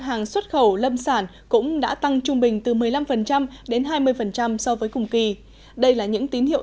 hàng xuất khẩu lâm sản cũng đã tăng trung bình từ một mươi năm đến hai mươi so với cùng kỳ đây là những tín hiệu